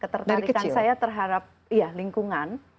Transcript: ketertarikan saya terhadap lingkungan